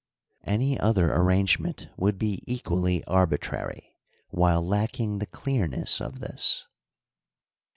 Any other arrangement would be equally arbitrary, while lacking the clearness of this.